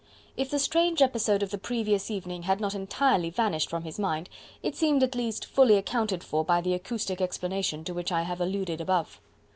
If the strange episode of the previous evening had not entirely vanished from his mind, it seemed at least fully accounted for by the acoustic explanation to which I have alluded above.